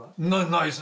ないです